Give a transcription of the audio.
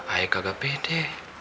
aik agak pede